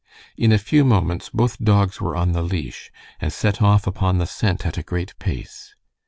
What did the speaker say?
In a few moments both dogs were on the leash, and set off upon the scent at a great pace.